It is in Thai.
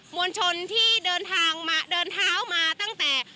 มวลชนที่เดินท้ามาตั้งแต่